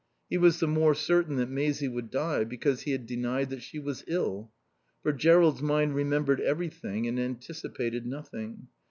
He was the more certain that Maisie would die because he had denied that she was ill. For Jerrold's mind remembered everything and anticipated nothing.